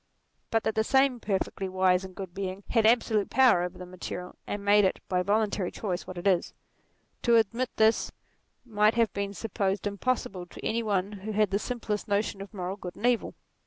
But that the same perfectly wise and good Being had absolute power over the material, and made it, by voluntary choice, what it is ; to admit this might have been supposed impossible to any one who has the simplest notions of moral good and evil.